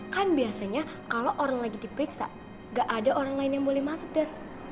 kan biasanya kalau orang lagi diperiksa gak ada orang lain yang boleh masuk dar